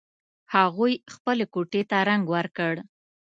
هغوی خپلې کوټې ته رنګ ور کړ